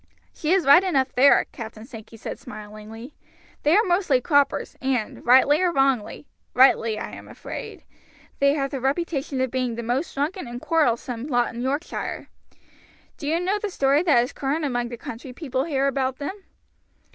"She is right enough there," Captain Sankey said smilingly. "They are mostly croppers, and rightly or wrongly rightly, I am afraid they have the reputation of being the most drunken and quarrelsome lot in Yorkshire. Do you know the story that is current among the country people here about them?"